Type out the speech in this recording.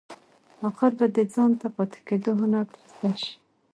آخیر به د ځانته پاتې کېدو هنر در زده شي !